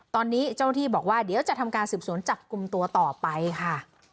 ตอนนี้เจ้าหน้าที่บอกว่าเดี๋ยวจะทำการสืบสวนจับกลุ่มตัวต่อไปค่ะ